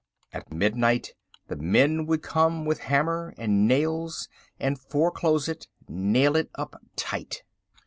At midnight the men would come with hammer and nails and foreclose it, nail it up tight.